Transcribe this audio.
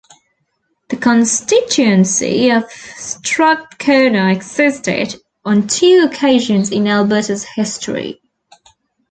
The constituency of Strathcona existed on two occasions in Alberta's history.